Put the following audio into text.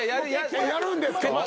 やるんですか？